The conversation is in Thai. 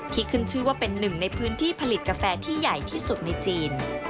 ขึ้นชื่อว่าเป็นหนึ่งในพื้นที่ผลิตกาแฟที่ใหญ่ที่สุดในจีน